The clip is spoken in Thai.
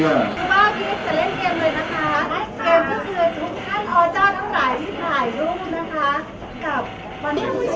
ว่าอีฟจะเล่นเกมเลยนะคะ